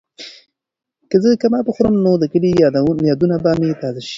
که زه کباب وخورم نو د کلي یادونه به مې تازه شي.